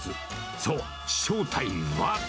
そう、正体は。